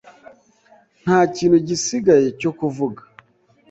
Nta kintu gisigaye cyo kuvuga.